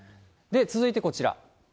続いてこちら。